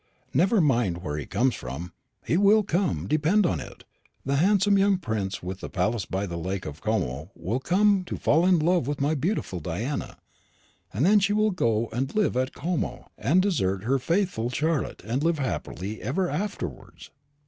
"Never mind where he comes from; he will come, depend upon it. The handsome young prince with the palace by the Lake of Como will come to fall in love with my beautiful Diana, and then she will go and live at Como; and desert her faithful Charlotte, and live happy ever afterwards."